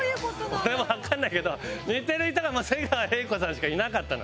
俺もわかんないけど似てる人が瀬川瑛子さんしかいなかったの。